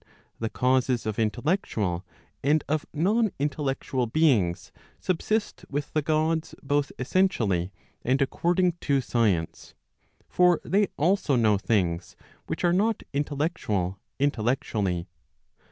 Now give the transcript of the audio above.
Digitized by t^OOQLe 484 ON PROVIDENCE' causes of intellectual, and of non intellectual beings, subsist with the* Gods both essentially, and according to science. For they also know' things which are not intellectual intellectually.